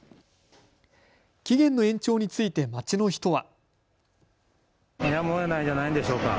期限の延長について街の人は。